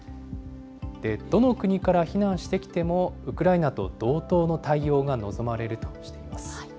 どの国から避難してきても、ウクライナと同等の対応が望まれるとしています。